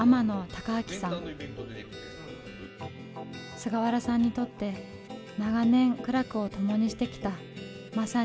菅原さんにとって長年苦楽を共にしてきたまさに盟友だ。